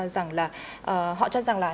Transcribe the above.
rằng là họ cho rằng là